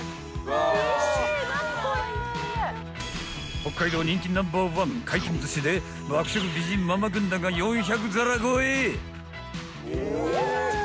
北海道人気ナンバー１回転寿司で爆食美人ママ軍団が４００皿超え。